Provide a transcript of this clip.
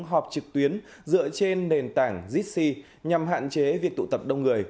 họp trực tuyến dựa trên nền tảng zissi nhằm hạn chế việc tụ tập đông người